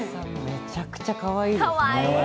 めちゃくちゃかわいいですね。